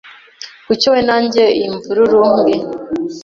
Kuki wowe na njye iyi mvururu mbi?